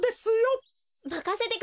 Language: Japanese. まかせてください。